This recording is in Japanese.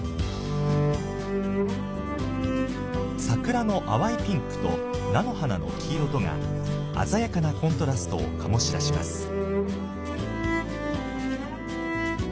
桜の淡いピンクと菜の花の黄色とが鮮やかなコントラストを醸し出します。